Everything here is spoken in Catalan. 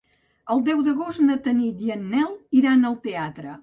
El deu d'agost na Tanit i en Nel iran al teatre.